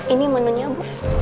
ini menunya bu